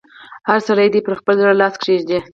هر سړی دې پر خپل زړه لاس کېږي.